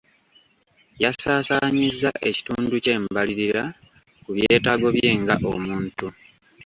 Yasaasaanyizza ekitundu ky'embalirira ku byetaago bye nga omuntu.